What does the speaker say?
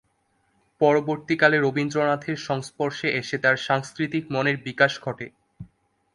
পরবর্তীকালে রবীন্দ্রনাথের সংস্পর্শে এসে তার সাংস্কৃতিক মনের বিকাশ ঘটে।